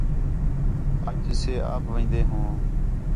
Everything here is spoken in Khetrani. اَڄ اَسے آپ وین٘دے ہوں